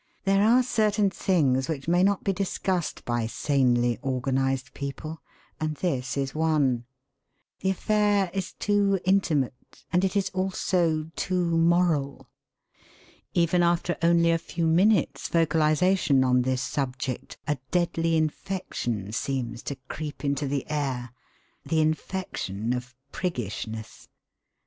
There are certain things which may not be discussed by sanely organised people; and this is one. The affair is too intimate, and it is also too moral. Even after only a few minutes' vocalisation on this subject a deadly infection seems to creep into the air the infection of priggishness.